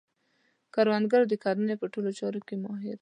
کروندګر د کرنې په ټولو چارو کې ماهر دی